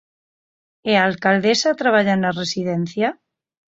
¿E a alcaldesa traballa na residencia?